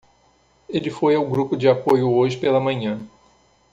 Ele foi ao grupo de apoio hoje pela manhã.